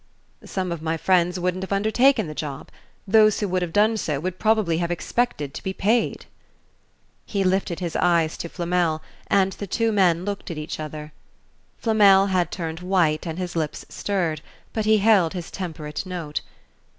"Some of my friends wouldn't have undertaken the job. Those who would have done so would probably have expected to be paid." He lifted his eyes to Flamel and the two men looked at each other. Flamel had turned white and his lips stirred, but he held his temperate note.